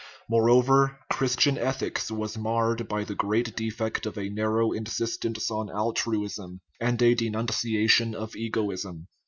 Moreover, Christian ethics was marred by the great defect of a narrow insistence on altruism and a denunciation of egoism.